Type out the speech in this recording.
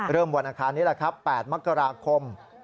เริ่มวันอาคารนี้แหละครับ๘มค